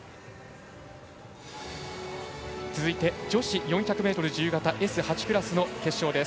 続いて女子４００ｍ自由形Ｓ８クラスの決勝です。